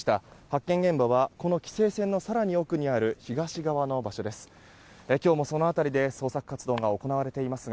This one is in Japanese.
発見現場はこの規制線の更に奥にある東側の場所です。